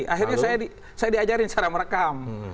jadi saya diajarin cara merekam